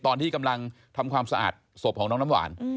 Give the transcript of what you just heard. ตอนที่กำลังทำความสะอาดศพของน้องน้ำหวาน